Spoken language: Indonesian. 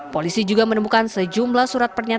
polisi juga menemukan sejumlah surat pernyataan